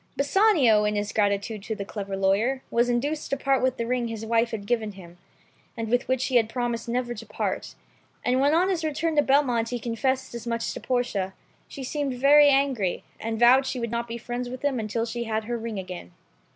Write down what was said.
Bassanio, in his gratitude to the clever lawyer, was induced to part with the ring his wife gave him, and when on his return to Belmont, he confessed as much to Portia, she seemed very angry, and vowed she would not be friends with him until she had her ring again.